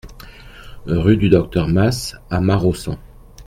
Rue du Docteur Mas à Maraussan